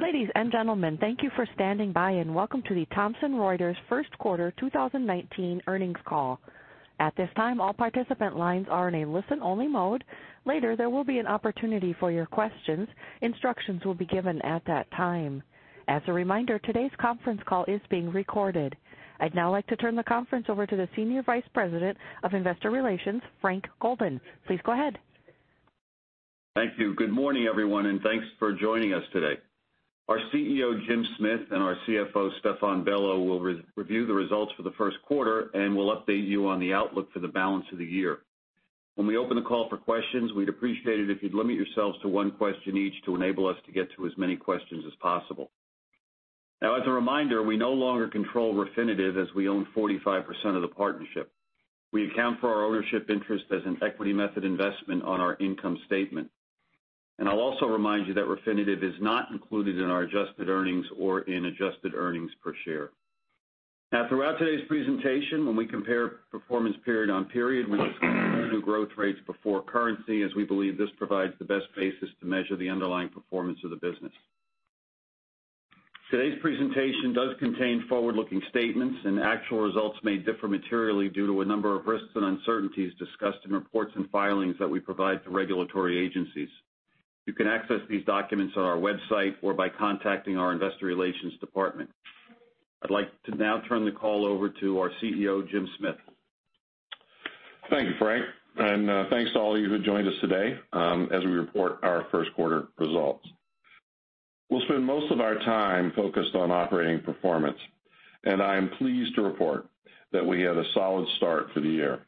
Ladies and gentlemen, thank you for standing by and welcome to the Thomson Reuters First Quarter 2019 Earnings Call. At this time, all participant lines are in a listen-only mode. Later, there will be an opportunity for your questions. Instructions will be given at that time. As a reminder, today's conference call is being recorded. I'd now like to turn the conference over to the Senior Vice President of Investor Relations, Frank Golden. Please go ahead. Thank you. Good morning, everyone, and thanks for joining us today. Our CEO, Jim Smith, and our CFO, Stephane Bello, will review the results for the first quarter and will update you on the outlook for the balance of the year. When we open the call for questions, we'd appreciate it if you'd limit yourselves to one question each to enable us to get to as many questions as possible. Now, as a reminder, we no longer control Refinitiv as we own 45% of the partnership. We account for our ownership interest as an equity method investment on our income statement, and I'll also remind you that Refinitiv is not included in our adjusted earnings or in adjusted earnings per share. Now, throughout today's presentation, when we compare performance period on period, we discussed revenue growth rates before currency, as we believe this provides the best basis to measure the underlying performance of the business. Today's presentation does contain forward-looking statements, and actual results may differ materially due to a number of risks and uncertainties discussed in reports and filings that we provide to regulatory agencies. You can access these documents on our website or by contacting our Investor Relations Department. I'd like to now turn the call over to our CEO, Jim Smith. Thank you, Frank, and thanks to all of you who joined us today as we report our first quarter results. We'll spend most of our time focused on operating performance, and I am pleased to report that we had a solid start for the year,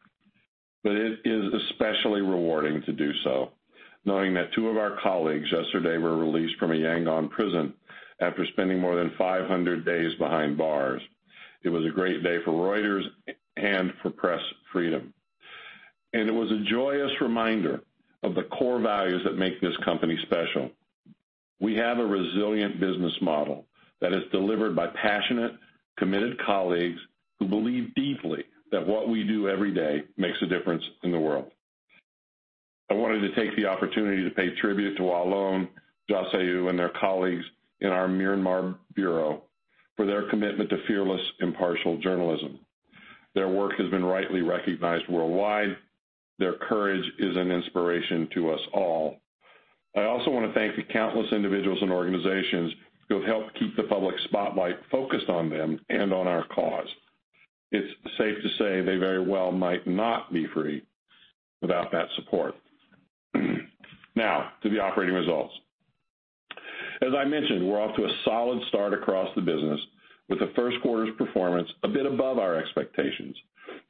but it is especially rewarding to do so, knowing that two of our colleagues yesterday were released from a Yangon prison after spending more than 500 days behind bars. It was a great day for Reuters and for press freedom, and it was a joyous reminder of the core values that make this company special. We have a resilient business model that is delivered by passionate, committed colleagues who believe deeply that what we do every day makes a difference in the world. I wanted to take the opportunity to pay tribute to Wa Lone, Kyaw Soe Oo, and their colleagues in our Myanmar bureau for their commitment to fearless, impartial journalism. Their work has been rightly recognized worldwide. Their courage is an inspiration to us all. I also want to thank the countless individuals and organizations who have helped keep the public spotlight focused on them and on our cause. It's safe to say they very well might not be free without that support. Now, to the operating results. As I mentioned, we're off to a solid start across the business with the first quarter's performance a bit above our expectations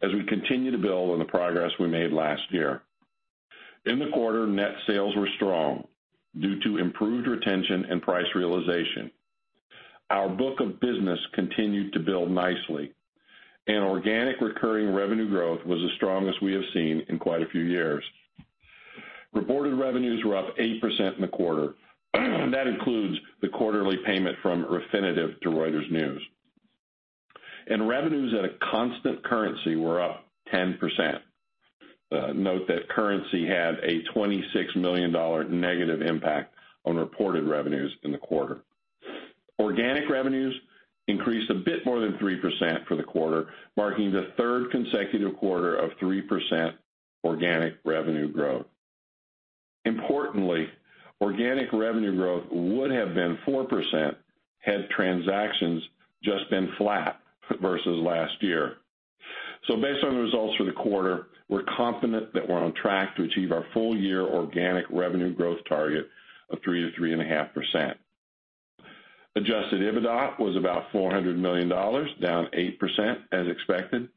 as we continue to build on the progress we made last year. In the quarter, net sales were strong due to improved retention and price realization. Our book of business continued to build nicely, and organic recurring revenue growth was as strong as we have seen in quite a few years. Reported revenues were up 8% in the quarter. That includes the quarterly payment from Refinitiv to Reuters News, and revenues at a constant currency were up 10%. Note that currency had a $26 million negative impact on reported revenues in the quarter. Organic revenues increased a bit more than 3% for the quarter, marking the third consecutive quarter of 3% organic revenue growth. Importantly, organic revenue growth would have been 4% had transactions just been flat versus last year, so based on the results for the quarter, we're confident that we're on track to achieve our full-year organic revenue growth target of 3%-3.5%. Adjusted EBITDA was about $400 million, down 8% as expected.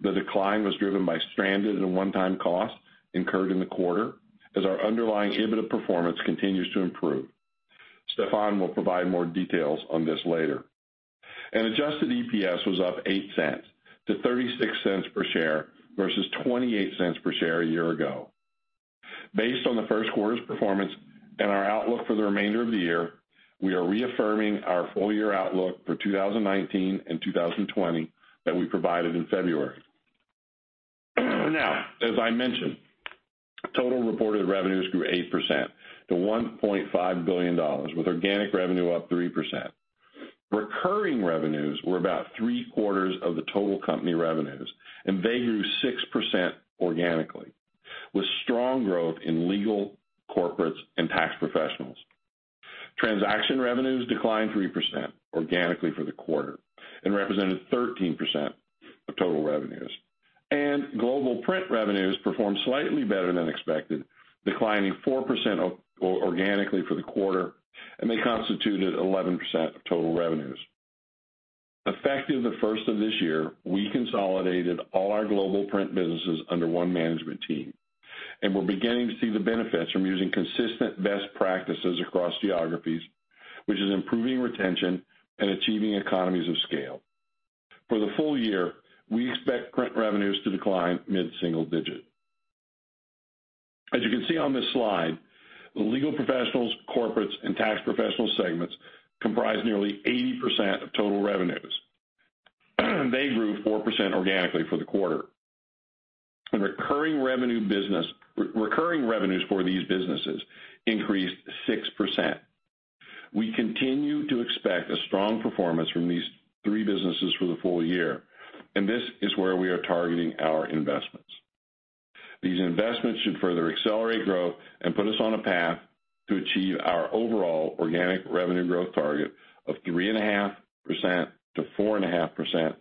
The decline was driven by stranded and one-time costs incurred in the quarter as our underlying EBITDA performance continues to improve. Stephane will provide more details on this later, and adjusted EPS was up $0.08 to $0.36 per share versus $0.28 per share a year ago. Based on the first quarter's performance and our outlook for the remainder of the year, we are reaffirming our full-year outlook for 2019 and 2020 that we provided in February. Now, as I mentioned, total reported revenues grew 8% to $1.5 billion, with organic revenue up 3%. Recurring revenues were about three-quarters of the total company revenues, and they grew 6% organically, with strong growth in legal, Corporate, and Tax Professionals. Transaction revenues declined 3% organically for the quarter and represented 13% of total revenues. And Global Print revenues performed slightly better than expected, declining 4% organically for the quarter, and they constituted 11% of total revenues. Effective the first of this year, we consolidated all our Global Print businesses under one management team, and we're beginning to see the benefits from using consistent best practices across geographies, which is improving retention and achieving economies of scale. For the full year, we expect Print revenues to decline mid-single-digit. As you can see on this slide, the Legal Professionals, Corporate, and Tax Professionals segments comprise nearly 80% of total revenues. They grew 4% organically for the quarter. And recurring revenues for these businesses increased 6%. We continue to expect a strong performance from these three businesses for the full year, and this is where we are targeting our investments. These investments should further accelerate growth and put us on a path to achieve our overall organic revenue growth target of 3.5%-4.5%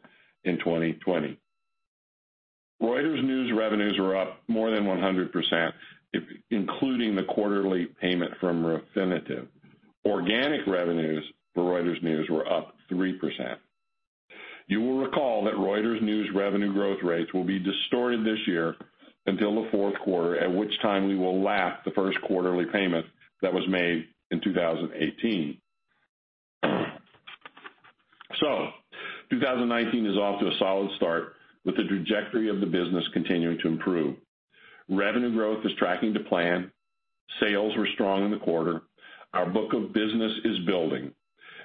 in 2020. Reuters News revenues were up more than 100%, including the quarterly payment from Refinitiv. Organic revenues for Reuters News were up 3%. You will recall that Reuters News revenue growth rates will be distorted this year until the fourth quarter, at which time we will lap the first quarterly payment that was made in 2018. So 2019 is off to a solid start with the trajectory of the business continuing to improve. Revenue growth is tracking to plan. Sales were strong in the quarter. Our book of business is building,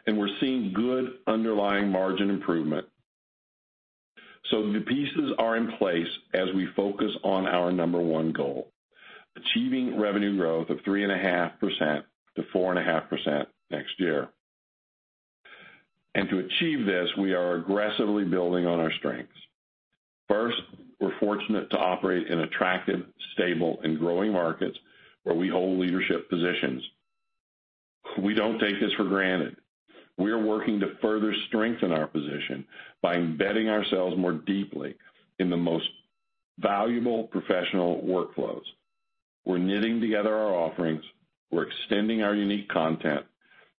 and we're seeing good underlying margin improvement. So the pieces are in place as we focus on our number one goal: achieving revenue growth of 3.5%-4.5% next year. And to achieve this, we are aggressively building on our strengths. First, we're fortunate to operate in attractive, stable, and growing markets where we hold leadership positions. We don't take this for granted. We are working to further strengthen our position by embedding ourselves more deeply in the most valuable professional workflows. We're knitting together our offerings. We're extending our unique content,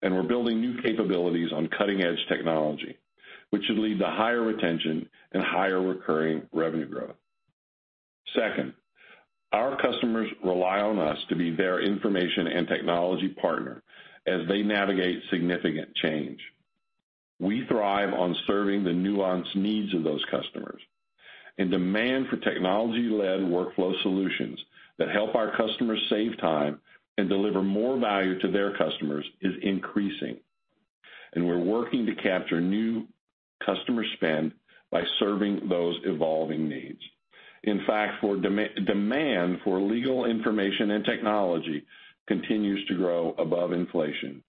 and we're building new capabilities on cutting-edge technology, which should lead to higher retention and higher recurring revenue growth. Second, our customers rely on us to be their information and technology partner as they navigate significant change. We thrive on serving the nuanced needs of those customers, and demand for technology-led workflow solutions that help our customers save time and deliver more value to their customers is increasing. And we're working to capture new customer spend by serving those evolving needs. In fact, demand for legal information and technology continues to grow above inflation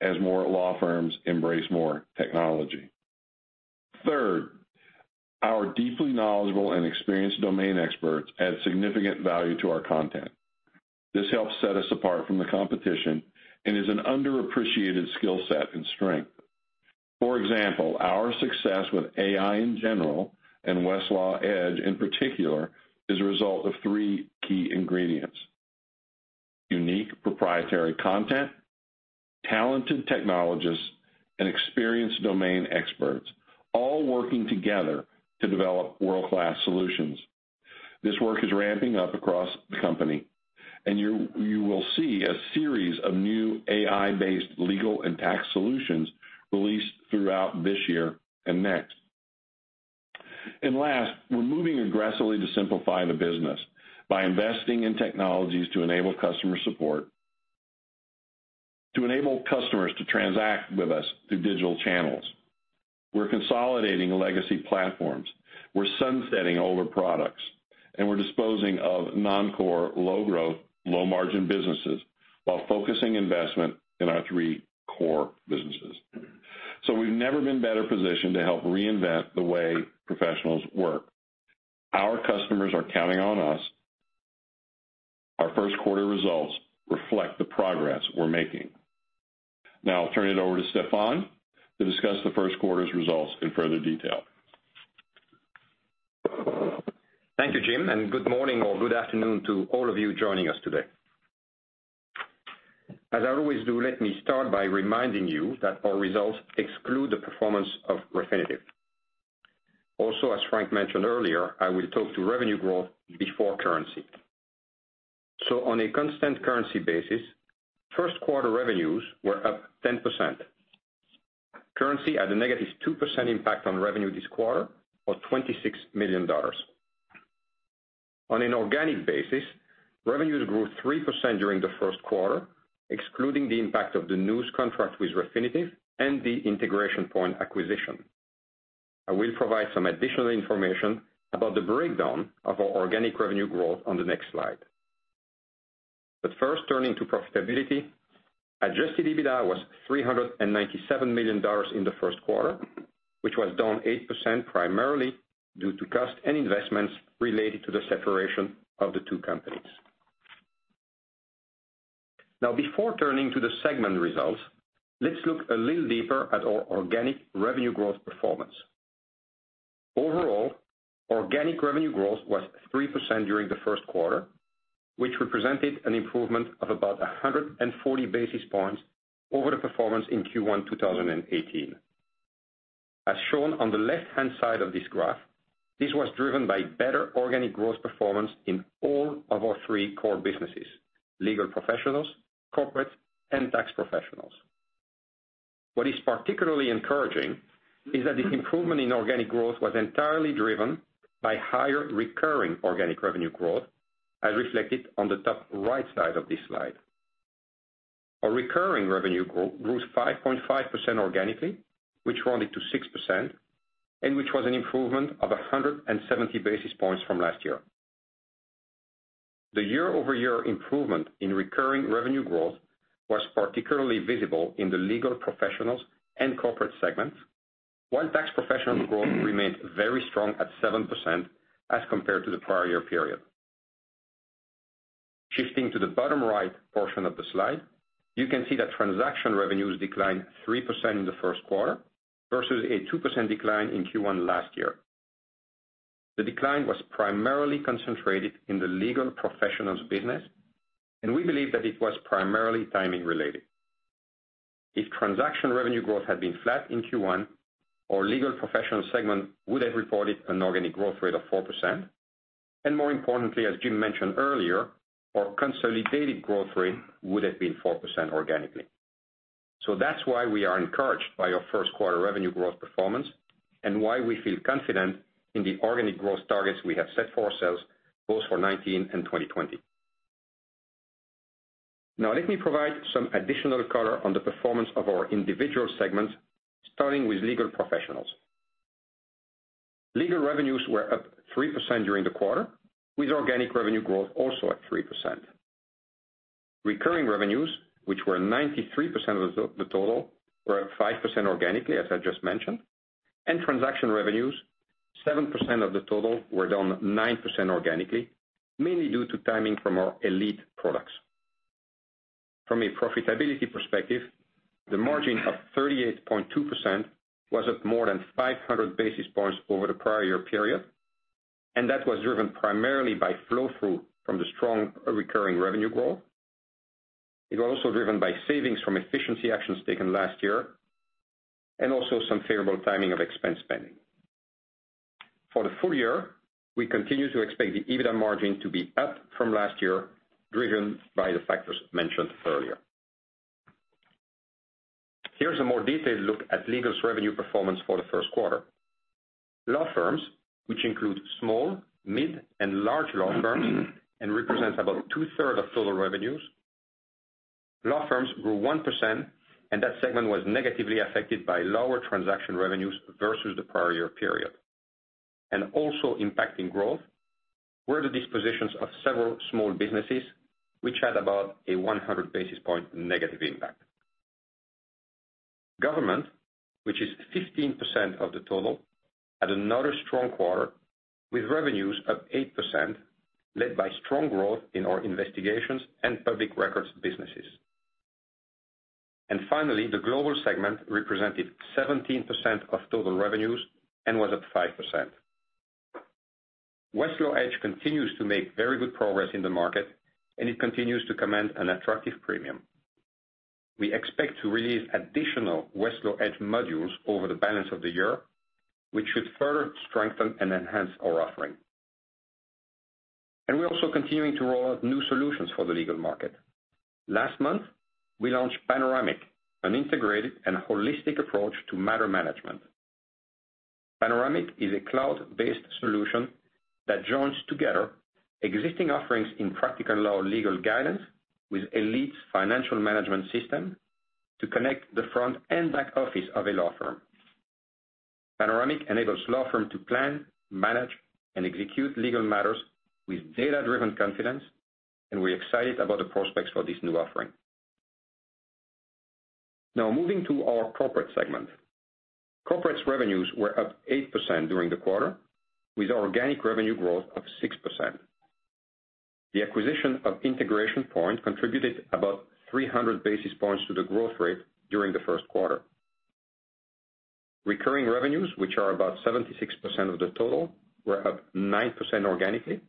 as more law firms embrace more technology. Third, our deeply knowledgeable and experienced domain experts add significant value to our content. This helps set us apart from the competition and is an underappreciated skill set and strength. For example, our success with AI in general and Westlaw Edge in particular is a result of three key ingredients: unique proprietary content, talented technologists, and experienced domain experts all working together to develop world-class solutions. This work is ramping up across the company, and you will see a series of new AI-based legal and tax solutions released throughout this year and next. And last, we're moving aggressively to simplify the business by investing in technologies to enable customer support, to enable customers to transact with us through digital channels. We're consolidating legacy platforms. We're sunsetting older products, and we're disposing of non-core, low-growth, low-margin businesses while focusing investment in our three core businesses. So we've never been better positioned to help reinvent the way professionals work. Our customers are counting on us. Our first quarter results reflect the progress we're making. Now, I'll turn it over to Stephane to discuss the first quarter's results in further detail. Thank you, Jim, and good morning or good afternoon to all of you joining us today. As I always do, let me start by reminding you that our results exclude the performance of Refinitiv. Also, as Frank mentioned earlier, I will talk to revenue growth before currency, so on a constant currency basis, first quarter revenues were up 10%. Currency had a negative 2% impact on revenue this quarter of $26 million. On an organic basis, revenues grew 3% during the first quarter, excluding the impact of the news contract with Refinitiv and the Integration Point acquisition. I will provide some additional information about the breakdown of our organic revenue growth on the next slide, but first, turning to profitability, Adjusted EBITDA was $397 million in the first quarter, which was down 8% primarily due to cost and investments related to the separation of the two companies. Now, before turning to the segment results, let's look a little deeper at our organic revenue growth performance. Overall, organic revenue growth was 3% during the first quarter, which represented an improvement of about 140 basis points over the performance in Q1 2018. As shown on the left-hand side of this graph, this was driven by better organic growth performance in all of our three core businesses: Legal Professionals, Corporate, and Tax Professionals. What is particularly encouraging is that the improvement in organic growth was entirely driven by higher recurring organic revenue growth, as reflected on the top right side of this slide. Our recurring revenue grew 5.5% organically, which rounded to 6%, and which was an improvement of 170 basis points from last year. The year-over-year improvement in recurring revenue growth was particularly visible in the Legal Professionals and Corporate segments, while Tax Professionals' growth remained very strong at 7% as compared to the prior year period. Shifting to the bottom right portion of the slide, you can see that transaction revenues declined 3% in the first quarter versus a 2% decline in Q1 last year. The decline was primarily concentrated in the Legal Professionals' business, and we believe that it was primarily timing-related. If transaction revenue growth had been flat in Q1, our Legal Professionals segment would have reported an organic growth rate of 4%, and more importantly, as Jim mentioned earlier, our consolidated growth rate would have been 4% organically. So that's why we are encouraged by our first quarter revenue growth performance and why we feel confident in the organic growth targets we have set for ourselves, both for 2019 and 2020. Now, let me provide some additional color on the performance of our individual segments, starting with Legal Professionals. Legal revenues were up 3% during the quarter, with organic revenue growth also at 3%. Recurring revenues, which were 93% of the total, were up 5% organically, as I just mentioned. And transaction revenues, 7% of the total, were down 9% organically, mainly due to timing from our Elite products. From a profitability perspective, the margin of 38.2% was up more than 500 basis points over the prior year period, and that was driven primarily by flow-through from the strong recurring revenue growth. It was also driven by savings from efficiency actions taken last year and also some favorable timing of expense spending. For the full year, we continue to expect the EBITDA margin to be up from last year, driven by the factors mentioned earlier. Here's a more detailed look at Legal's revenue performance for the first quarter. Law firms, which include small, mid, and large law firms and represent about two-thirds of total revenues, grew 1%, and that segment was negatively affected by lower transaction revenues versus the prior year period, and also impacting growth were the dispositions of several small businesses, which had about a 100 basis point negative impact. Government, which is 15% of the total, had another strong quarter with revenues up 8%, led by strong growth in our investigations and public records businesses, and finally, the global segment represented 17% of total revenues and was up 5%. Westlaw Edge continues to make very good progress in the market, and it continues to command an attractive premium. We expect to release additional Westlaw Edge modules over the balance of the year, which should further strengthen and enhance our offering, and we're also continuing to roll out new solutions for the legal market. Last month, we launched Panoramic, an integrated and holistic approach to matter management. Panoramic is a cloud-based solution that joins together existing offerings in Practical Law legal guidance with Elite's financial management system to connect the front and back office of a law firm. Panoramic enables law firms to plan, manage, and execute legal matters with data-driven confidence, and we're excited about the prospects for this new offering. Now, moving to our Corporate segment. Corporate revenues were up 8% during the quarter, with organic revenue growth of 6%. The acquisition of Integration Point contributed about 300 basis points to the growth rate during the first quarter. Recurring revenues, which are about 76% of the total, were up 9% organically,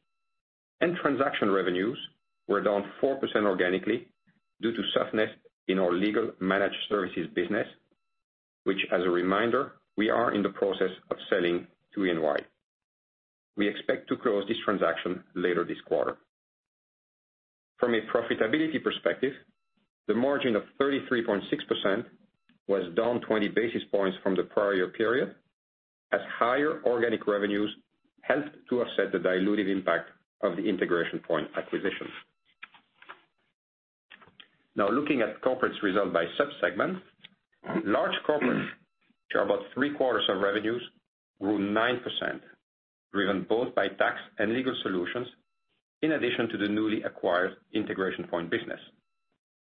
and transaction revenues were down 4% organically due to softness in our Legal Managed Services business, which, as a reminder, we are in the process of selling to EY. We expect to close this transaction later this quarter. From a profitability perspective, the margin of 33.6% was down 20 basis points from the prior year period, as higher organic revenues helped to offset the diluted impact of the Integration Point acquisition. Now, looking at Corporate's result by subsegment, large Corporate, which are about three-quarters of revenues, grew 9%, driven both by tax and legal solutions, in addition to the newly acquired Integration Point business.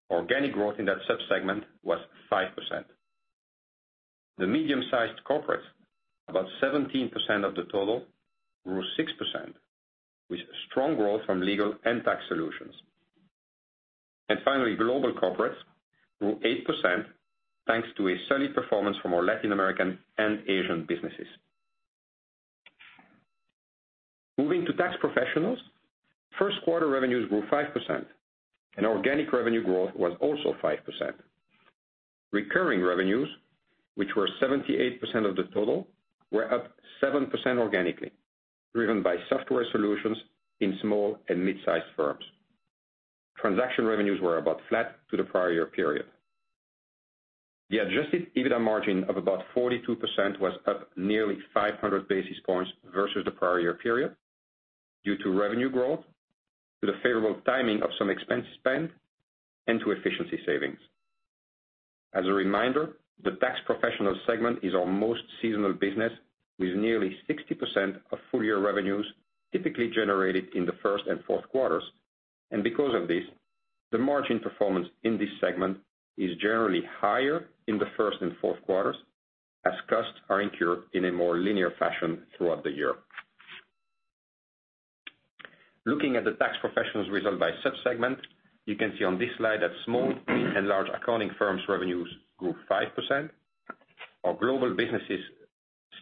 Organic growth in that subsegment was 5%. The Medium-Sized Corporate, about 17% of the total, grew 6%, with strong growth from legal and tax solutions. Finally, Global Corporates grew 8%, thanks to a solid performance from our Latin American and Asian businesses. Moving to Tax Professionals, first quarter revenues grew 5%, and organic revenue growth was also 5%. Recurring revenues, which were 78% of the total, were up 7% organically, driven by software solutions in small and mid-sized firms. Transaction revenues were about flat to the prior year period. The adjusted EBITDA margin of about 42% was up nearly 500 basis points versus the prior year period, due to revenue growth, to the favorable timing of some expense spend, and to efficiency savings. As a reminder, the Tax Professionals segment is our most seasonal business, with nearly 60% of full-year revenues typically generated in the first and fourth quarters. And because of this, the margin performance in this segment is generally higher in the first and fourth quarters, as costs are incurred in a more linear fashion throughout the year. Looking at the Tax Professionals' result by subsegment, you can see on this slide that small, mid, and large accounting firms' revenues grew 5%. Our Global Businesses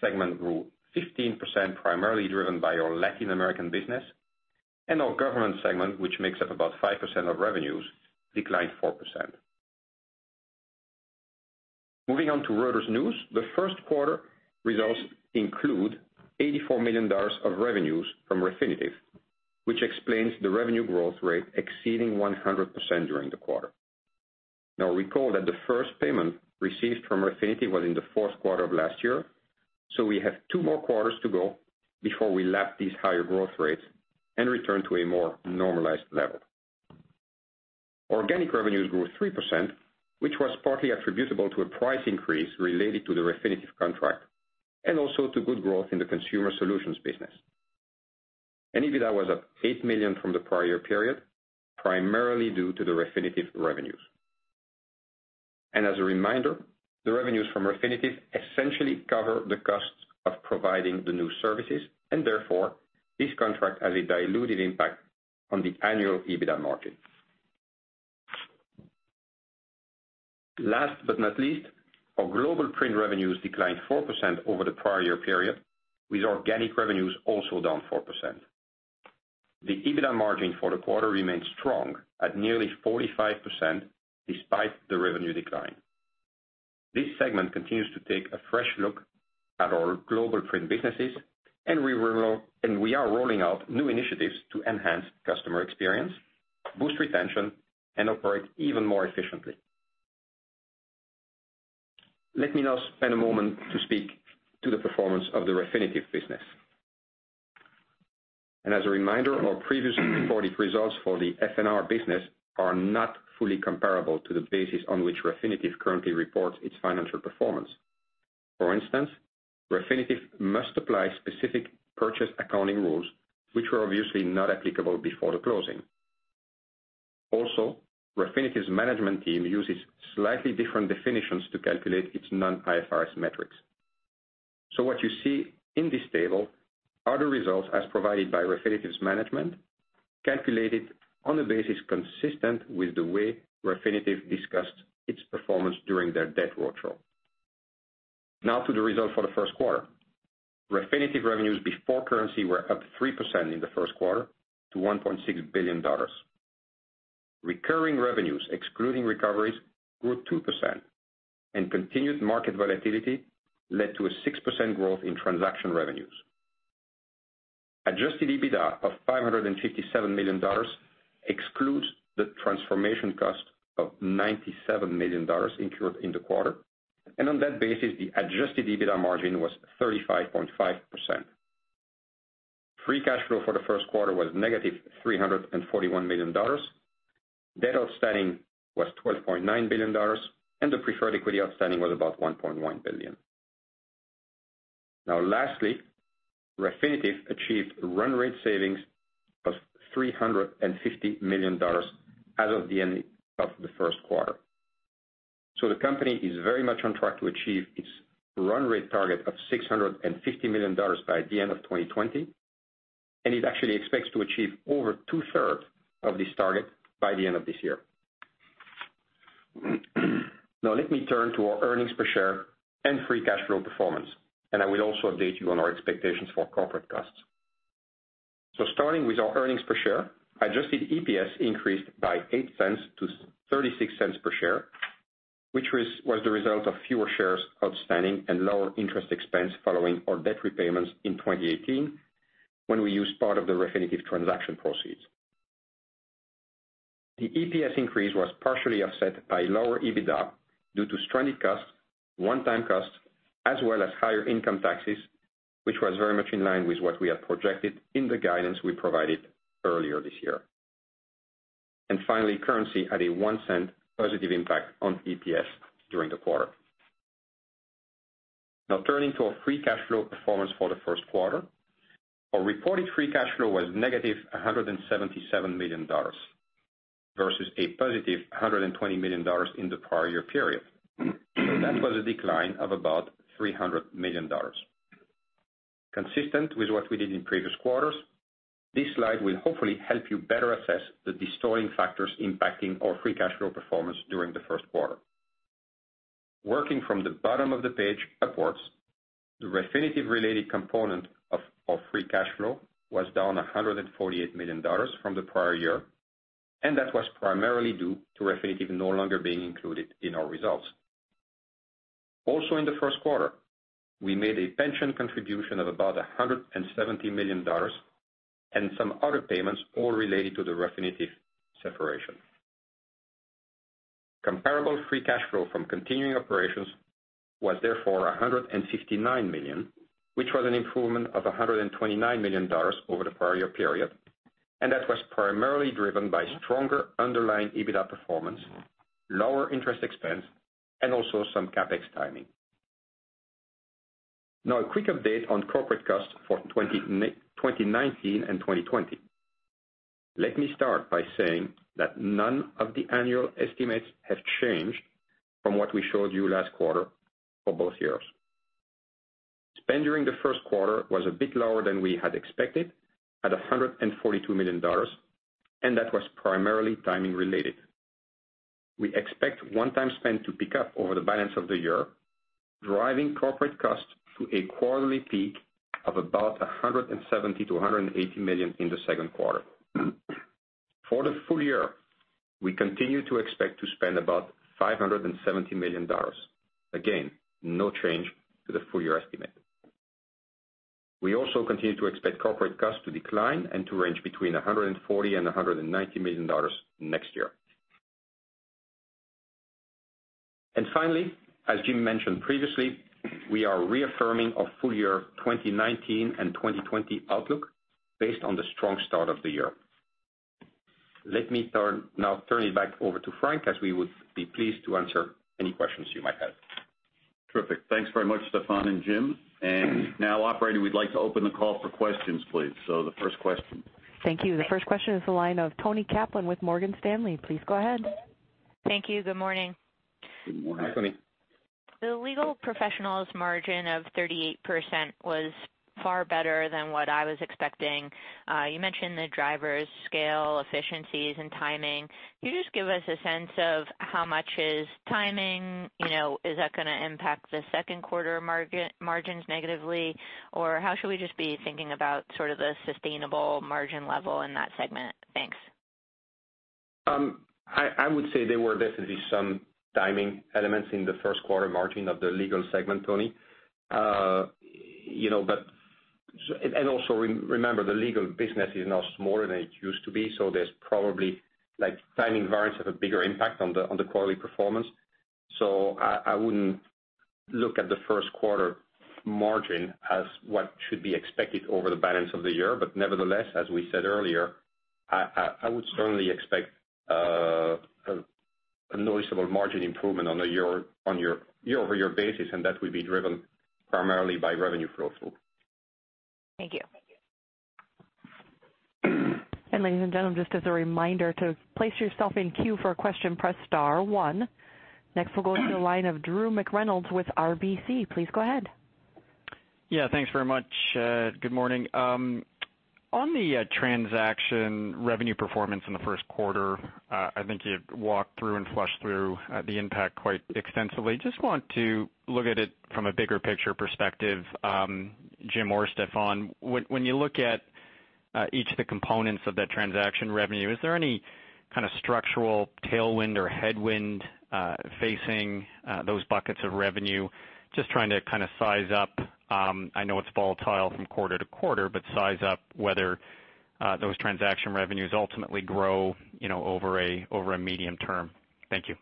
segment grew 15%, primarily driven by our Latin American business, and our Government segment, which makes up about 5% of revenues, declined 4%. Moving on to Reuters News, the first quarter results include $84 million of revenues from Refinitiv, which explains the revenue growth rate exceeding 100% during the quarter. Now, recall that the first payment received from Refinitiv was in the fourth quarter of last year, so we have two more quarters to go before we lap these higher growth rates and return to a more normalized level. Organic revenues grew 3%, which was partly attributable to a price increase related to the Refinitiv contract and also to good growth in the consumer solutions business. EBITDA was up $8 million from the prior year period, primarily due to the Refinitiv revenues. As a reminder, the revenues from Refinitiv essentially cover the costs of providing the new services, and therefore, this contract has a diluted impact on the annual EBITDA margin. Last but not least, our global print revenues declined 4% over the prior year period, with organic revenues also down 4%. The EBITDA margin for the quarter remained strong at nearly 45% despite the revenue decline. This segment continues to take a fresh look at our global print businesses, and we are rolling out new initiatives to enhance customer experience, boost retention, and operate even more efficiently. Let me now spend a moment to speak to the performance of the Refinitiv business. As a reminder, our previously reported results for the F&R business are not fully comparable to the basis on which Refinitiv currently reports its financial performance. For instance, Refinitiv must apply specific purchase accounting rules, which were obviously not applicable before the closing. Also, Refinitiv's management team uses slightly different definitions to calculate its non-IFRS metrics. What you see in this table are the results as provided by Refinitiv's management, calculated on a basis consistent with the way Refinitiv discussed its performance during their debt roadshow. Now to the result for the first quarter. Refinitiv revenues before currency were up 3% in the first quarter to $1.6 billion. Recurring revenues, excluding recoveries, grew 2%, and continued market volatility led to a 6% growth in transaction revenues. Adjusted EBITDA of $557 million excludes the transformation cost of $97 million incurred in the quarter, and on that basis, the adjusted EBITDA margin was 35.5%. Free cash flow for the first quarter was negative $341 million. Debt outstanding was $12.9 billion, and the preferred equity outstanding was about $1.1 billion. Now, lastly, Refinitiv achieved run rate savings of $350 million as of the end of the first quarter. So the company is very much on track to achieve its run rate target of $650 million by the end of 2020, and it actually expects to achieve over two-thirds of this target by the end of this year. Now, let me turn to our earnings per share and free cash flow performance, and I will also update you on our expectations for corporate costs. So starting with our earnings per share, adjusted EPS increased by $0.08 to $0.36 per share, which was the result of fewer shares outstanding and lower interest expense following our debt repayments in 2018 when we used part of the Refinitiv transaction proceeds. The EPS increase was partially offset by lower EBITDA due to stranded costs, one-time costs, as well as higher income taxes, which was very much in line with what we had projected in the guidance we provided earlier this year. And finally, currency had a $0.01 positive impact on EPS during the quarter. Now, turning to our free cash flow performance for the first quarter, our reported free cash flow was negative $177 million versus a positive $120 million in the prior year period. That was a decline of about $300 million. Consistent with what we did in previous quarters, this slide will hopefully help you better assess the distorting factors impacting our free cash flow performance during the first quarter. Working from the bottom of the page upwards, the Refinitiv-related component of our free cash flow was down $148 million from the prior year, and that was primarily due to Refinitiv no longer being included in our results. Also, in the first quarter, we made a pension contribution of about $170 million and some other payments, all related to the Refinitiv separation. Comparable free cash flow from continuing operations was therefore $159 million, which was an improvement of $129 million over the prior year period, and that was primarily driven by stronger underlying EBITDA performance, lower interest expense, and also some CapEx timing. Now, a quick update on corporate costs for 2019 and 2020. Let me start by saying that none of the annual estimates have changed from what we showed you last quarter for both years. Spend during the first quarter was a bit lower than we had expected, at $142 million, and that was primarily timing-related. We expect one-time spend to pick up over the balance of the year, driving corporate costs to a quarterly peak of about $170-$180 million in the second quarter. For the full year, we continue to expect to spend about $570 million. Again, no change to the full-year estimate. We also continue to expect corporate costs to decline and to range between $140 and $190 million next year. And finally, as Jim mentioned previously, we are reaffirming our full-year 2019 and 2020 outlook based on the strong start of the year. Let me now turn it back over to Frank, as we would be pleased to answer any questions you might have. Terrific. Thanks very much, Stephane and Jim. Now, operator, we'd like to open the call for questions, please. So the first question. Thank you. The first question is from the line of Toni Kaplan with Morgan Stanley. Please go ahead. Thank you. Good morning. Good morning, Toni. The Legal Professionals' margin of 38% was far better than what I was expecting. You mentioned the drivers' scale, efficiencies, and timing. Can you just give us a sense of how much is timing? Is that going to impact the second quarter margins negatively? Or how should we just be thinking about sort of the sustainable margin level in that segment? Thanks. I would say there were definitely some timing elements in the first quarter margin of the legal segment, Toni. And also, remember, the legal business is now smaller than it used to be, so there's probably timing variance that have a bigger impact on the quarterly performance. So I wouldn't look at the first quarter margin as what should be expected over the balance of the year, but nevertheless, as we said earlier, I would certainly expect a noticeable margin improvement on a year-over-year basis, and that would be driven primarily by revenue flow through. Thank you. And ladies and gentlemen, just as a reminder to place yourself in queue for a question, press star one. Next, we'll go to the line of Drew McReynolds with RBC. Please go ahead. Yeah, thanks very much. Good morning. On the transaction revenue performance in the first quarter, I think you walked through and fleshed through the impact quite extensively. Just want to look at it from a bigger picture perspective, Jim or Stephane. When you look at each of the components of that transaction revenue, is there any kind of structural tailwind or headwind facing those buckets of revenue? Just trying to kind of size up. I know it's volatile from quarter to quarter, but size up whether those transaction revenues ultimately grow over a medium term. Thank you.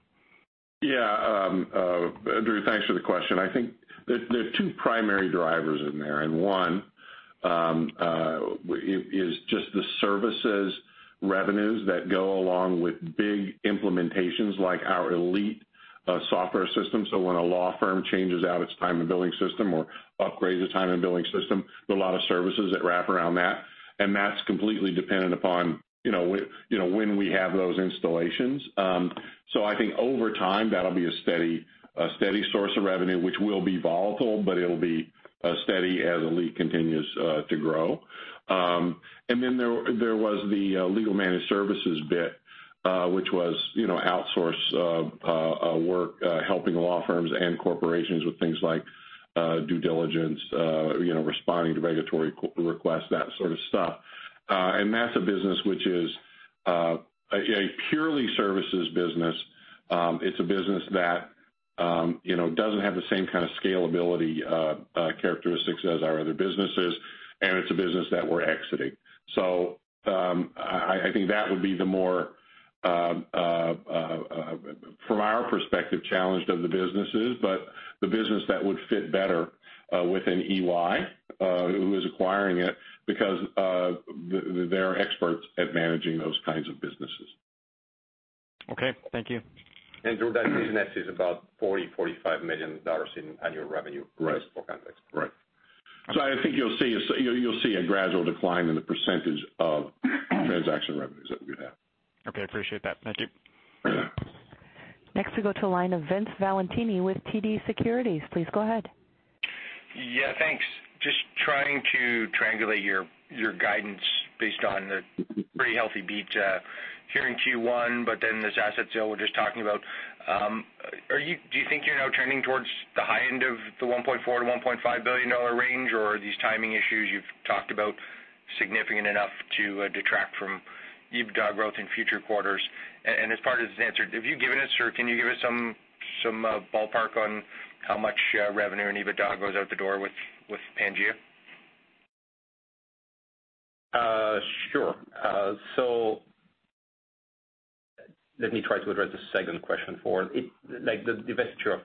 Yeah. Drew, thanks for the question. I think there are two primary drivers in there, and one is just the services revenues that go along with big implementations like our Elite software system. So when a law firm changes out its time and billing system or upgrades its time and billing system, there are a lot of services that wrap around that, and that's completely dependent upon when we have those installations. I think over time, that'll be a steady source of revenue, which will be volatile, but it'll be steady as Elite continues to grow. Then there was the legal managed services bit, which was outsourced work, helping law firms and corporations with things like due diligence, responding to regulatory requests, that sort of stuff. That's a business which is a purely services business. It's a business that doesn't have the same kind of scalability characteristics as our other businesses, and it's a business that we're exiting. I think that would be the more, from our perspective, challenge of the businesses, but the business that would fit better with an EY who is acquiring it because they're experts at managing those kinds of businesses. Okay. Thank you. The organization actually is about $40-$45 million in annual revenue for context. Right. Right. So I think you'll see a gradual decline in the percentage of transaction revenues that we have. Okay. I appreciate that. Thank you. Next, we go to the line of Vince Valentini with TD Securities. Please go ahead. Yeah. Thanks. Just trying to triangulate your guidance based on the pretty healthy beat here in Q1, but then this asset sale we're just talking about. Do you think you're now trending towards the high end of the $1.4-$1.5 billion range, or are these timing issues you've talked about significant enough to detract from EBITDA growth in future quarters? And as part of this answer, have you given us or can you give us some ballpark on how much revenue and EBITDA goes out the door with Pangea3? Sure. So let me try to address the second question for you. The divestiture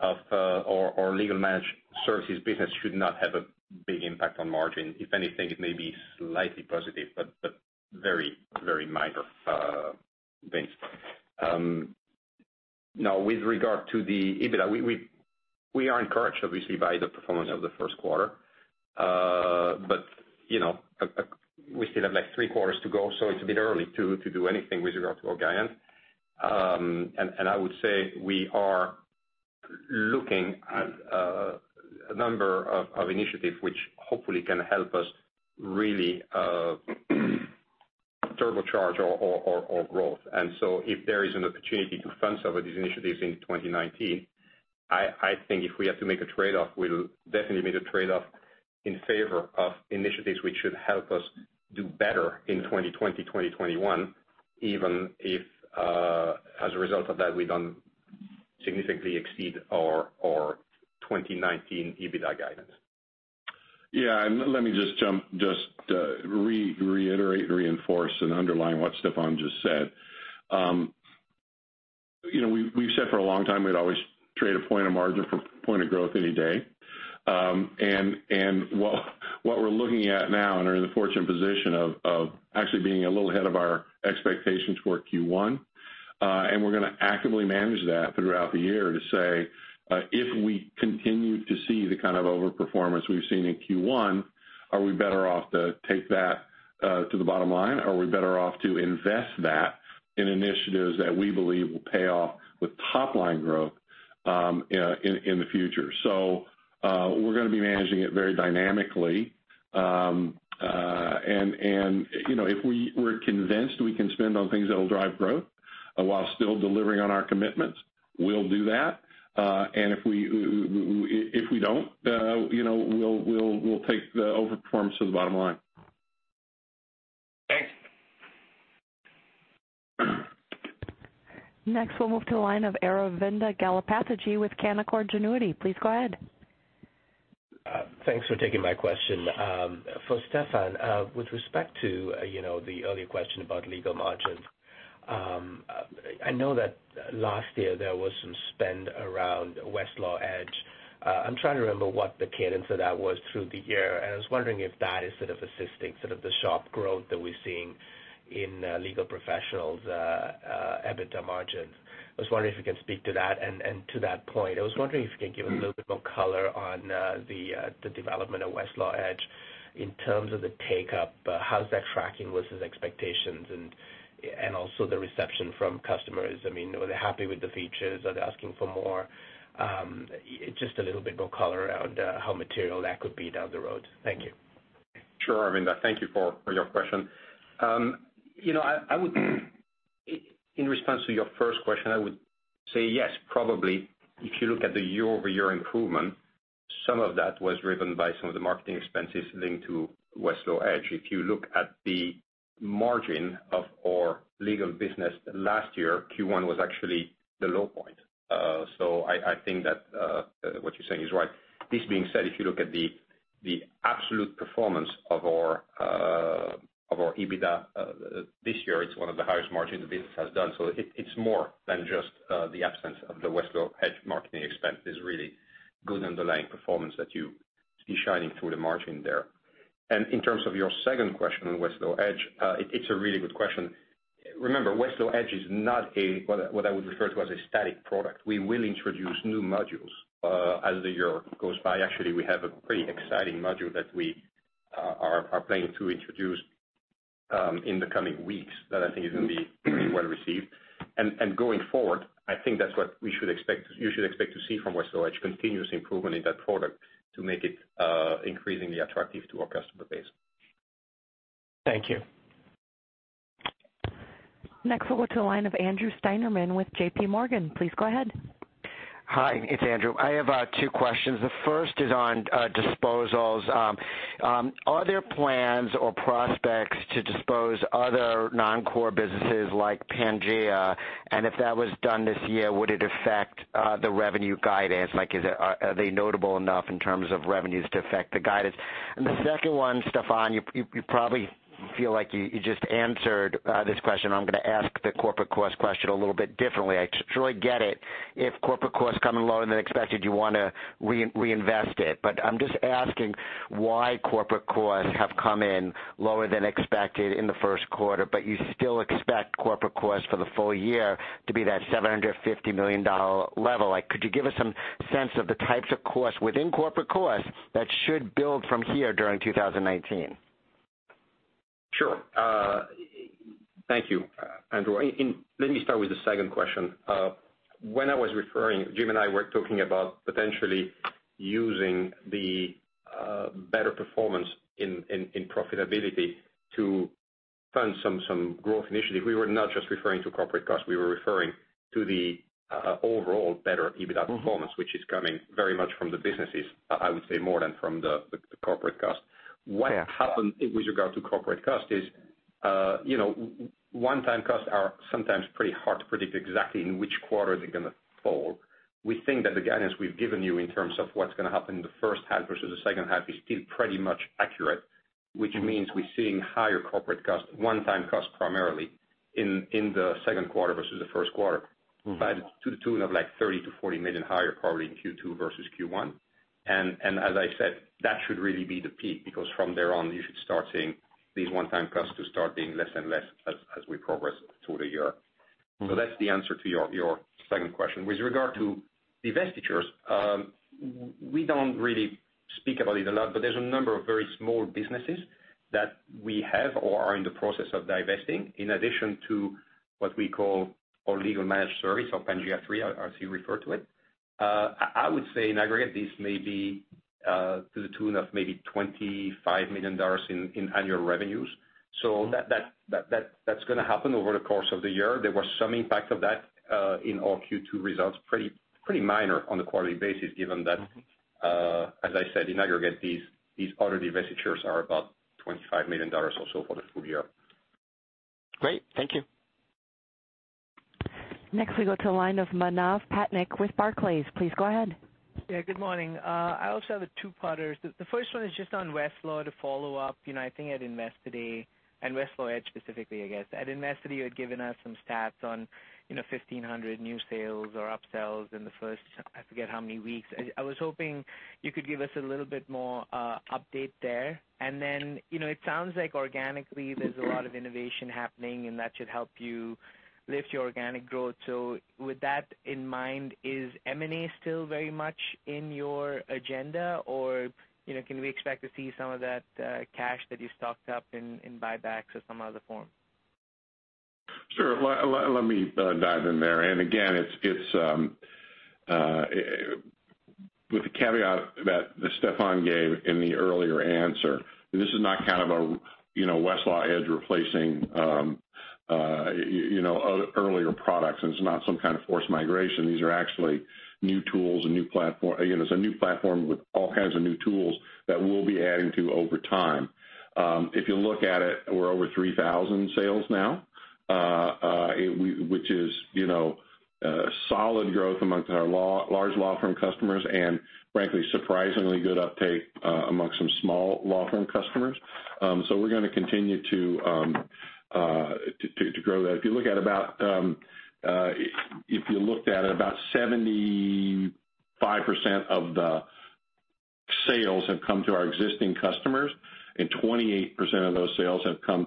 of our legal managed services business should not have a big impact on margin. If anything, it may be slightly positive, but very, very minor, Vince. Now, with regard to the EBITDA, we are encouraged, obviously, by the performance of the first quarter, but we still have three quarters to go, so it's a bit early to do anything with regard to our guidance. And I would say we are looking at a number of initiatives which hopefully can help us really turbocharge our growth. And so if there is an opportunity to fund some of these initiatives in 2019, I think if we have to make a trade-off, we'll definitely make a trade-off in favor of initiatives which should help us do better in 2020, 2021, even if as a result of that, we don't significantly exceed our 2019 EBITDA guidance. Yeah. Let me just reiterate, reinforce, and underline what Stephane just said. We've said for a long time we'd always trade a point of margin for a point of growth any day. And what we're looking at now, and we're in the fortunate position of actually being a little ahead of our expectations for Q1, and we're going to actively manage that throughout the year to say, "If we continue to see the kind of overperformance we've seen in Q1, are we better off to take that to the bottom line? Are we better off to invest that in initiatives that we believe will pay off with top-line growth in the future?" So we're going to be managing it very dynamically. And if we're convinced we can spend on things that will drive growth while still delivering on our commitments, we'll do that. And if we don't, we'll take the overperformance to the bottom line. Thanks. Next, we'll move to the line of Aravinda Galappatthige with Canaccord Genuity. Please go ahead. Thanks for taking my question. For Stephane, with respect to the earlier question about legal margins, I know that last year there was some spend around Westlaw Edge. I'm trying to remember what the cadence of that was through the year, and I was wondering if that is sort of assisting sort of the sharp growth that we're seeing in Legal Professionals' EBITDA margins. I was wondering if you can speak to that. And to that point, I was wondering if you can give us a little bit more color on the development of Westlaw Edge in terms of the take-up. How's that tracking versus expectations and also the reception from customers? I mean, are they happy with the features? Are they asking for more? Just a little bit more color around how material that could be down the road. Thank you. Sure. I mean, thank you for your question. In response to your first question, I would say yes, probably. If you look at the year-over-year improvement, some of that was driven by some of the marketing expenses linked to Westlaw Edge. If you look at the margin of our legal business last year, Q1 was actually the low point. So I think that what you're saying is right. This being said, if you look at the absolute performance of our EBITDA this year, it's one of the highest margins the business has done. So it's more than just the absence of the Westlaw Edge marketing expense. It's really good underlying performance that you see shining through the margin there. And in terms of your second question on Westlaw Edge, it's a really good question. Remember, Westlaw Edge is not what I would refer to as a static product. We will introduce new modules as the year goes by. Actually, we have a pretty exciting module that we are planning to introduce in the coming weeks that I think is going to be well received. And going forward, I think that's what you should expect to see from Westlaw Edge: continuous improvement in that product to make it increasingly attractive to our customer base. Thank you. Next, we'll go to the line of Andrew Steinerman with J.P. Morgan. Please go ahead. Hi. It's Andrew. I have two questions. The first is on disposals. Are there plans or prospects to dispose other non-core businesses like Pangea3? And if that was done this year, would it affect the revenue guidance? Are they notable enough in terms of revenues to affect the guidance? And the second one, Stephane, you probably feel like you just answered this question. I'm going to ask the corporate cost question a little bit differently. I surely get it. If corporate costs come in lower than expected, you want to reinvest it. But I'm just asking why corporate costs have come in lower than expected in the first quarter, but you still expect corporate costs for the full year to be that $750 million level. Could you give us some sense of the types of costs within corporate costs that should build from here during 2019? Sure. Thank you, Andrew. Let me start with the second question. When I was referring, Jim and I were talking about potentially using the better performance in profitability to fund some growth initiative. We were not just referring to corporate costs. We were referring to the overall better EBITDA performance, which is coming very much from the businesses, I would say, more than from the corporate cost. What happened with regard to corporate cost is one-time costs are sometimes pretty hard to predict exactly in which quarter they're going to fall. We think that the guidance we've given you in terms of what's going to happen in the first half versus the second half is still pretty much accurate, which means we're seeing higher corporate costs, one-time costs primarily, in the second quarter versus the first quarter, but to the tune of like $30 million-$40 million higher probably in Q2 versus Q1. And as I said, that should really be the peak because from there on, you should start seeing these one-time costs start being less and less as we progress through the year. So that's the answer to your second question. With regard to divestitures, we don't really speak about it a lot, but there's a number of very small businesses that we have or are in the process of divesting in addition to what we call our legal managed service or Pangea3, as you refer to it. I would say in aggregate, this may be to the tune of maybe $25 million in annual revenues. So that's going to happen over the course of the year. There was some impact of that in our Q2 results, pretty minor on a quarterly basis, given that, as I said, in aggregate, these other divestitures are about $25 million or so for the full year. Great. Thank you. Next, we go to the line of Manav Patnaik with Barclays. Please go ahead. Yeah. Good morning. I also have a two-parter. The first one is just on Westlaw to follow up. I think at Investor Day and Westlaw Edge specifically, I guess. At Investor Day, you had given us some stats on 1,500 new sales or upsells in the first, I forget how many weeks. I was hoping you could give us a little bit more update there. And then it sounds like organically there's a lot of innovation happening, and that should help you lift your organic growth. So with that in mind, is M&A still very much in your agenda, or can we expect to see some of that cash that you stocked up in buybacks or some other form? Sure. Let me dive in there. And again, with the caveat that Stephane gave in the earlier answer, this is not kind of a Westlaw Edge replacing earlier products, and it's not some kind of forced migration. These are actually new tools and new platforms. It's a new platform with all kinds of new tools that we'll be adding to over time. If you look at it, we're over 3,000 sales now, which is solid growth among our large law firm customers and, frankly, surprisingly good uptake among some small law firm customers. So we're going to continue to grow that. If you look at about 75% of the sales have come to our existing customers, and 28% of those sales have come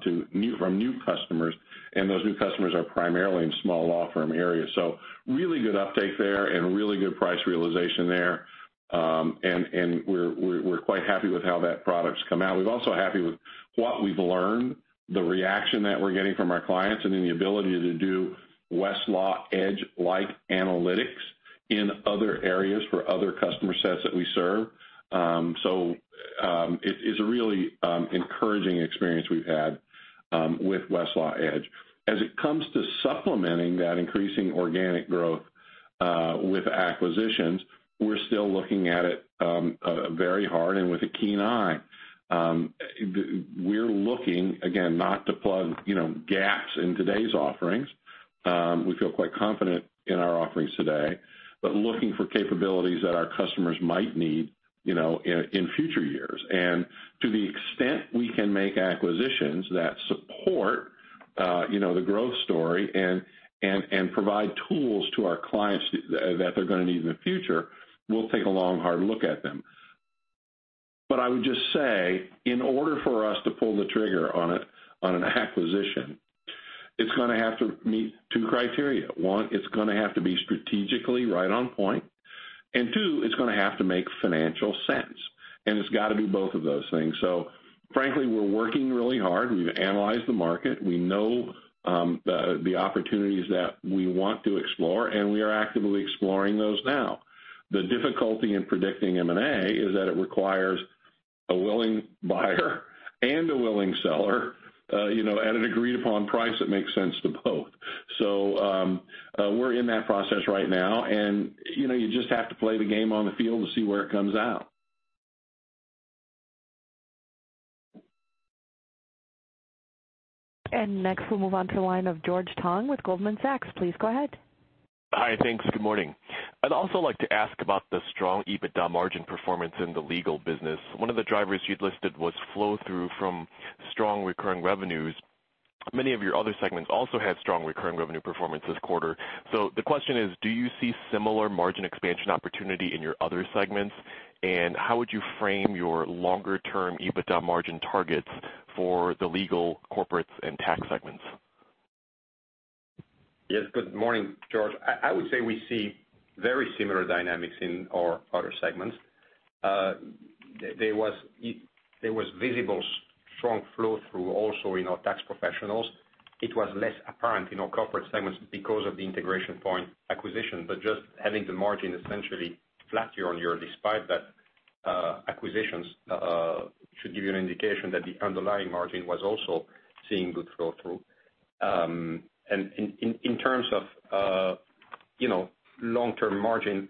from new customers, and those new customers are primarily in small law firm areas. So really good uptake there and really good price realization there, and we're quite happy with how that product's come out. We're also happy with what we've learned, the reaction that we're getting from our clients, and then the ability to do Westlaw Edge-like analytics in other areas for other customer sets that we serve, so it's a really encouraging experience we've had with Westlaw Edge. As it comes to supplementing that increasing organic growth with acquisitions, we're still looking at it very hard and with a keen eye. We're looking, again, not to plug gaps in today's offerings. We feel quite confident in our offerings today, but looking for capabilities that our customers might need in future years, and to the extent we can make acquisitions that support the growth story and provide tools to our clients that they're going to need in the future, we'll take a long, hard look at them. But I would just say, in order for us to pull the trigger on an acquisition, it's going to have to meet two criteria. One, it's going to have to be strategically right on point. And two, it's going to have to make financial sense. And it's got to do both of those things. So frankly, we're working really hard. We've analyzed the market. We know the opportunities that we want to explore, and we are actively exploring those now. The difficulty in predicting M&A is that it requires a willing buyer and a willing seller at an agreed-upon price that makes sense to both. So we're in that process right now, and you just have to play the game on the field to see where it comes out. And next, we'll move on to the line of George Tong with Goldman Sachs. Please go ahead. Hi. Thanks. Good morning. I'd also like to ask about the strong EBITDA margin performance in the legal business. One of the drivers you'd listed was flow-through from strong recurring revenues. Many of your other segments also had strong recurring revenue performance this quarter. So the question is, do you see similar margin expansion opportunity in your other segments? And how would you frame your longer-term EBITDA margin targets for the Legal, Corporates, and Tax segments? Yes. Good morning, George. I would say we see very similar dynamics in our other segments. There was visible strong flow-through also in our Tax Professionals. It was less apparent in our corporate segments because of the Integration Point acquisition, but just having the margin essentially flat year-on-year, despite that, acquisitions should give you an indication that the underlying margin was also seeing good flow-through. And in terms of long-term margin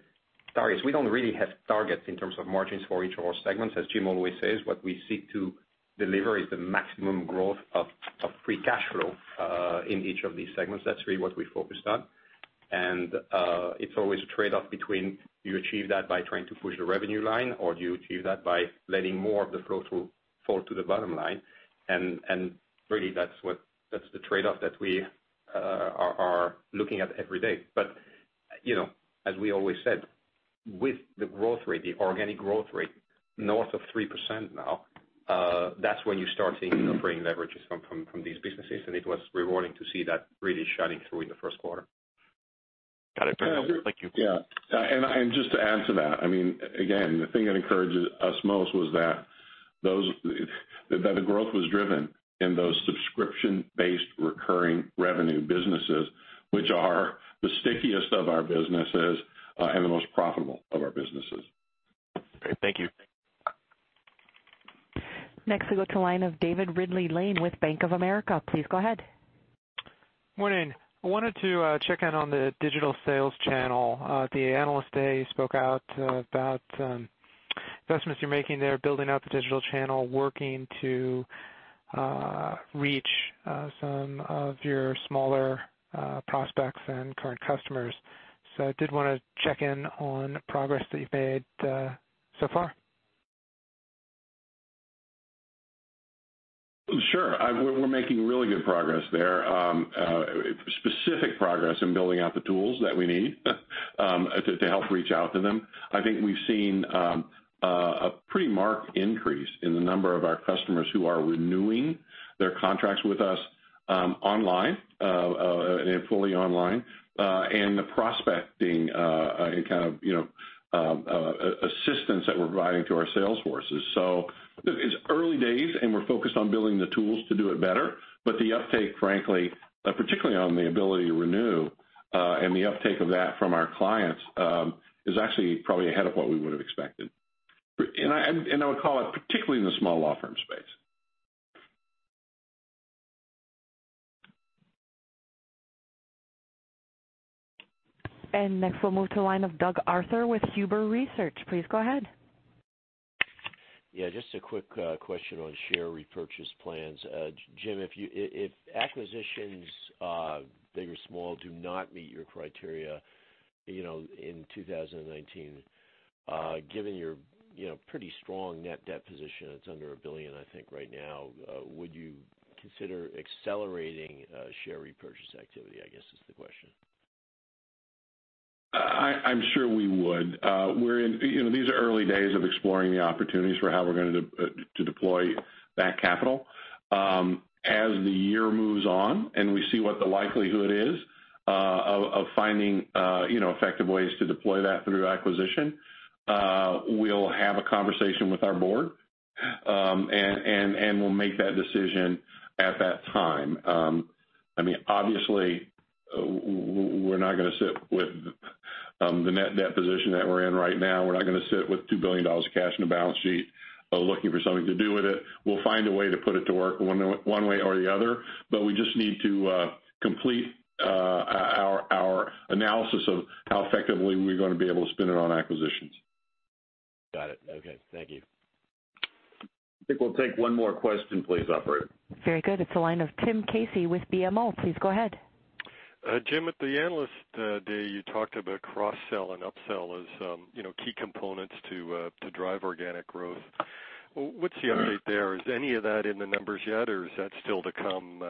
targets, we don't really have targets in terms of margins for each of our segments. As Jim always says, what we seek to deliver is the maximum growth of free cash flow in each of these segments. That's really what we focused on. And it's always a trade-off between you achieve that by trying to push the revenue line, or do you achieve that by letting more of the flow-through fall to the bottom line? And really, that's the trade-off that we are looking at every day. But as we always said, with the growth rate, the organic growth rate north of 3% now, that's when you start seeing the operating leverages from these businesses. And it was rewarding to see that really shining through in the first quarter. Got it. Thank you. Yeah. And just to add to that, I mean, again, the thing that encourages us most was that the growth was driven in those subscription-based recurring revenue businesses, which are the stickiest of our businesses and the most profitable of our businesses. Great. Thank you. Next, we go to the line of David Ridley-Lane with Bank of America. Please go ahead. Morning. I wanted to check in on the digital sales channel. The analyst today spoke out about investments you're making there, building out the digital channel, working to reach some of your smaller prospects and current customers. So I did want to check in on progress that you've made so far. Sure. We're making really good progress there, specific progress in building out the tools that we need to help reach out to them. I think we've seen a pretty marked increase in the number of our customers who are renewing their contracts with us online and fully online and prospecting and kind of assistance that we're providing to our sales forces, so it's early days, and we're focused on building the tools to do it better, but the uptake, frankly, particularly on the ability to renew and the uptake of that from our clients is actually probably ahead of what we would have expected, and I would call it particularly in the small law firm space, And next, we'll move to the line of Doug Arthur with Huber Research. Please go ahead. Yeah. Just a quick question on share repurchase plans. Jim, if acquisitions, big or small, do not meet your criteria in 2019, given your pretty strong net debt position, it's under a billion, I think, right now, would you consider accelerating share repurchase activity, I guess, is the question? I'm sure we would. These are early days of exploring the opportunities for how we're going to deploy that capital. As the year moves on and we see what the likelihood is of finding effective ways to deploy that through acquisition, we'll have a conversation with our board, and we'll make that decision at that time. I mean, obviously, we're not going to sit with the net debt position that we're in right now. We're not going to sit with $2 billion of cash in the balance sheet looking for something to do with it. We'll find a way to put it to work one way or the other, but we just need to complete our analysis of how effectively we're going to be able to spend it on acquisitions. Got it. Okay. Thank you. I think we'll take one more question, please, Operator. Very good. It's the line of Tim Casey with BMO. Please go ahead. Jim, at the analyst day, you talked about cross-sell and upsell as key components to drive organic growth. What's the update there? Is any of that in the numbers yet, or is that still to come,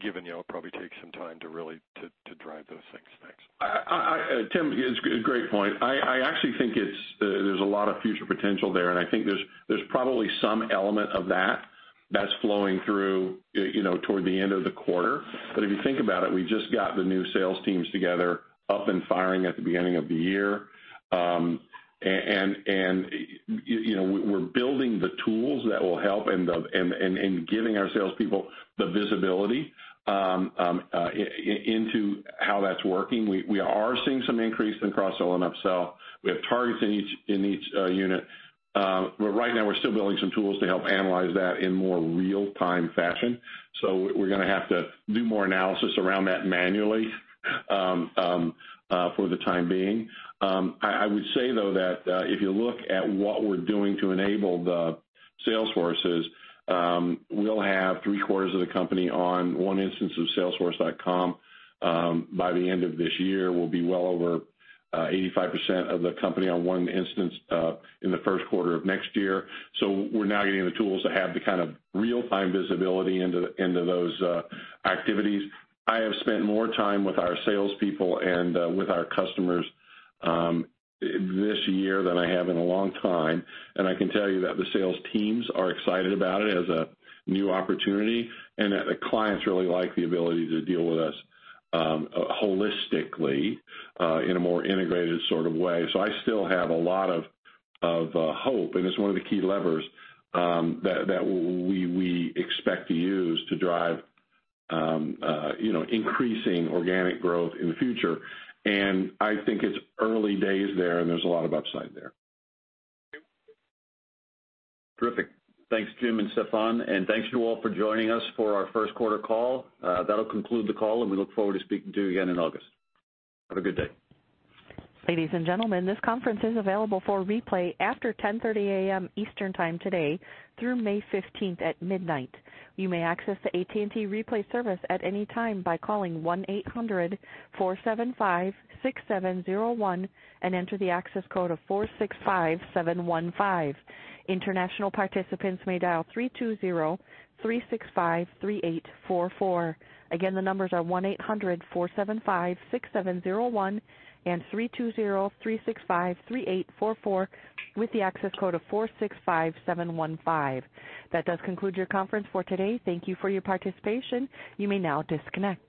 given it'll probably take some time to really drive those things? Thanks. Tim, it's a great point. I actually think there's a lot of future potential there, and I think there's probably some element of that that's flowing through toward the end of the quarter. But if you think about it, we just got the new sales teams together, up and firing at the beginning of the year. And we're building the tools that will help and giving our salespeople the visibility into how that's working. We are seeing some increase in cross-sell and upsell. We have targets in each unit. But right now, we're still building some tools to help analyze that in more real-time fashion. So we're going to have to do more analysis around that manually for the time being. I would say, though, that if you look at what we're doing to enable the sales forces, we'll have three-quarters of the company on one instance of Salesforce.com by the end of this year. We'll be well over 85% of the company on one instance in the first quarter of next year. So we're now getting the tools to have the kind of real-time visibility into those activities. I have spent more time with our salespeople and with our customers this year than I have in a long time. And I can tell you that the sales teams are excited about it as a new opportunity, and the clients really like the ability to deal with us holistically in a more integrated sort of way. So I still have a lot of hope, and it's one of the key levers that we expect to use to drive increasing organic growth in the future. And I think it's early days there, and there's a lot of upside there. Terrific. Thanks, Jim and Stephane. And thanks to you all for joining us for our first quarter call. That'll conclude the call, and we look forward to speaking to you again in August. Have a good day. Ladies and gentlemen, this conference is available for replay after 10:30 A.M. Eastern Time today through May 15th at midnight. You may access the AT&T replay service at any time by calling 1-800-475-6701 and enter the access code of 465715. International participants may dial 320-365-3844. Again, the numbers are 1-800-475-6701 and 320-365-3844 with the access code of 465715. That does conclude your conference for today. Thank you for your participation. You may now disconnect.